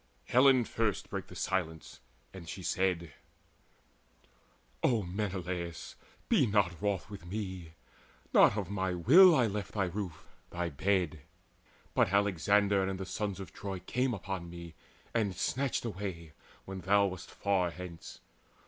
Helen first brake the silence, and she said: "O Menelaus, be not wroth with me! Not of my will I left thy roof, thy bed, But Alexander and the sons of Troy Came upon me, and snatched away, when thou Wast far thence.